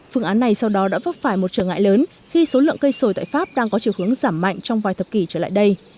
phương án này sau đó đã vấp phải một trở ngại lớn khi số lượng cây sồi tại pháp đang có chiều hướng giảm mạnh trong vài thập kỷ trở lại đây